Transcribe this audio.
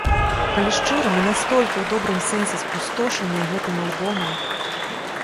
Калі шчыра, мы настолькі ў добрым сэнсе спустошаныя гэтым альбомам!